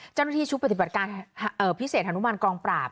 เจ้าหน้าที่ชุดปฏิบัติการเอ่อพิเศษธรรมบาลกองปราบ